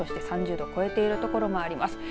３０度、超えている所もあります。